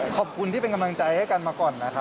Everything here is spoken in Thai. ขอบคุณที่เป็นกำลังใจให้กันมาก่อนนะครับ